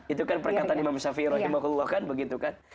itu kan perkataan imam shafi'i rahimahullah kan begitu kan